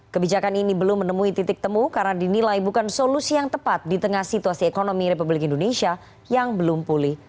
kebijakan ini belum menemui titik temu karena dinilai bukan solusi yang tepat di tengah situasi ekonomi republik indonesia yang belum pulih